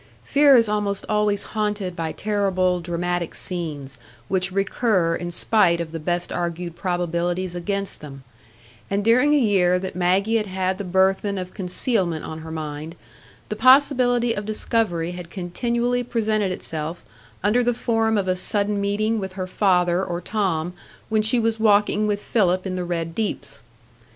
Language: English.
Fear is almost always haunted by terrible dramatic scenes, which recur in spite of the best argued probabilities against them; and during a year that Maggie had had the burthen of concealment on her mind, the possibility of discovery had continually presented itself under the form of a sudden meeting with her father or Tom when she was walking with Philip in the Red Deeps.